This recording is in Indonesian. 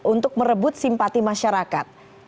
untuk merebut simpati masyarakat